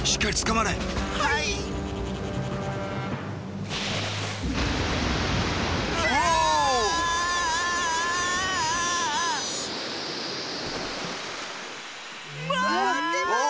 まわってます！